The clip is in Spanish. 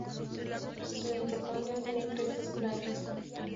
Sus mitocondrias tienen crestas planas.